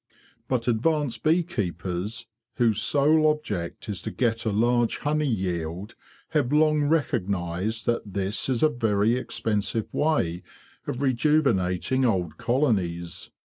But advanced bee keepers, whose sole object is to get a large honey yield, have long recognised that this is a very expensive way of rejuvenating old colonies.